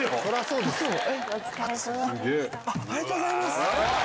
ウソ⁉ありがとうございます！